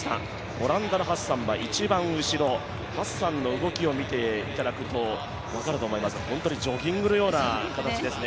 オランダのハッサンは一番後ろ、ハッサンの動きを見ていただくと分かりますが本当にジョギングのような形ですね。